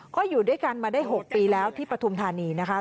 ก็อยู่ด้วยกันมาได้๖ปีแล้วที่ปฐุมธานีนะคะ